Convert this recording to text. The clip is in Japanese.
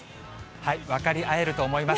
分かり合えると思います。